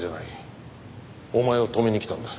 お前を止めに来たんだ。